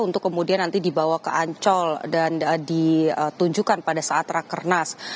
untuk kemudian nanti dibawa ke ancol dan ditunjukkan pada saat rakernas